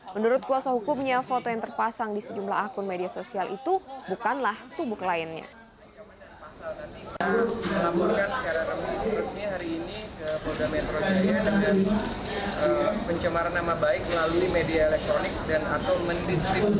menurut kuasa hukumnya foto yang terpasang di sejumlah akun media sosial itu